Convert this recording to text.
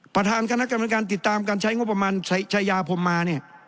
ประธานคณะกรรมการติดตามการใช้งบประมาณชายาพรมมาเนี่ย